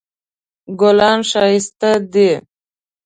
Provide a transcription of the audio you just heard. ګلان ښایسته دي